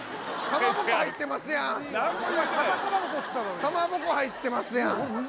今かまぼこ入ってますやんむ